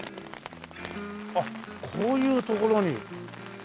あっこういう所に。